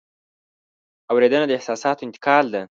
اورېدنه د احساساتو انتقال ده.